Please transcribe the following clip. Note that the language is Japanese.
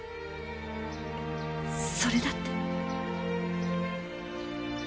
それだってのに。